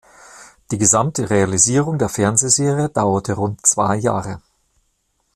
Die gesamte Realisierung der Fernsehserie dauerte rund zwei Jahre.